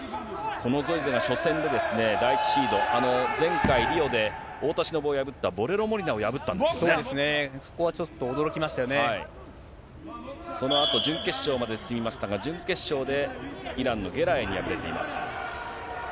このゾイゼが初戦で、第１シード、前回、リオでおおたしのぶを破った、そうですね、そこはちょっとそのあと準決勝まで進みましたが、準決勝でイランのゲラエイに敗れています。